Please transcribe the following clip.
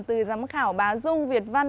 từ giám khảo bà dung